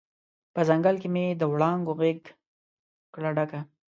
په ځنګل کې مې د وړانګو غیږ کړه ډکه